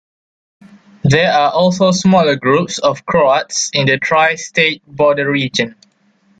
There are also smaller groups of Croats in the tri-state border region.